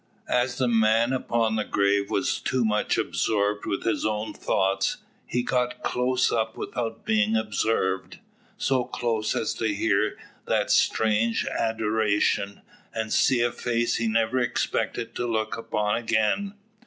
As the man upon the grave was too much absorbed with his own thoughts, he got close up without being observed; so close as to hear that strange adjuration, and see a face he never expected to look upon again.